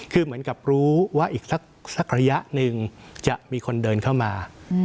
คือเหมือนกับรู้ว่าอีกสักระยะหนึ่งจะมีคนเดินเข้ามา